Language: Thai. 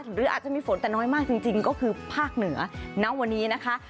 หรืออาจจะมีฝนแต่น้อยมากจริงก็คือภาคเหนือณวันนี้นะคะ